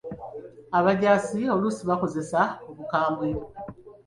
Abajjaasi oluusi bakozesa obukambwe.